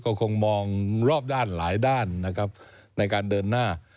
ก็คงมองรอบด้านหลายด้านนะครับในการเดินหน้า